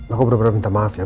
aku bener bener minta maaf ya